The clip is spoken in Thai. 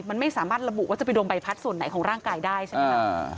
มันไม่สามารถระบุว่าจะไปโดนใบพัดส่วนไหนของร่างกายได้ใช่ไหมคะ